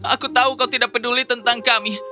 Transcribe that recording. aku tahu kau tidak peduli tentang kami